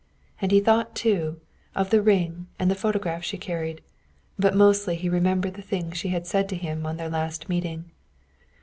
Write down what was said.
And he thought, too, of the ring and the photograph she carried. But mostly he remembered the things she had said to him on their last meeting.